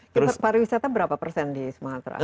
kimber pariwisata berapa persen di sumatera